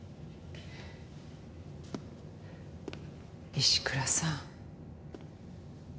石倉さん。